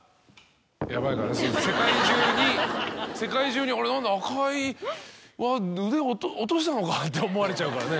世界中に「あれ何だ？赤井は腕を落としたのか？」って思われちゃうからね。